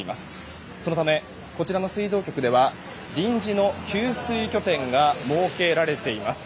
そのため、こちらの水道局では臨時の給水拠点が設けられています。